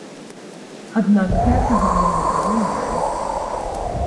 Аднак гэтага яму было мала.